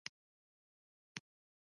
پاچا خپله ټوله شتمني ثبت کړه.